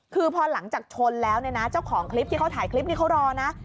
คือพอหลังจากชนแล้วเนี่ยนะเจ้าของคลิปที่เขาถ่ายคลิปนี้เขารอนะ